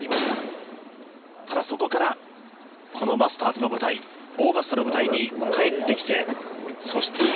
ただそこからこのマスターズの舞台オーガスタの舞台に帰ってきてそして